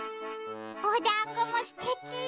おだんごもすてき。